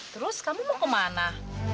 terus kamu mau kemana